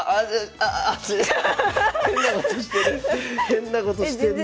変なことしてる。